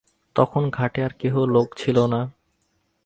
তখন ঘাটে আর কেহ লোক ছিল না।